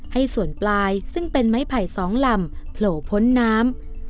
ให้ส่วนปลายซึ่งเป็นไม้ไผ่สองลำโผล่พ้นน้ำ